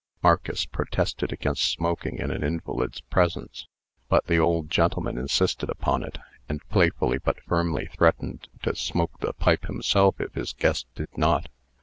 Marcus protested against smoking in an invalid's presence; but the old gentleman insisted upon it, and playfully but firmly threatened to smoke the pipe himself if his guest did not.